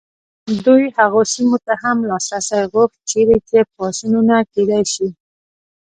دوی هغو سیمو ته هم لاسرسی غوښت چیرې چې پاڅونونه کېدای شي.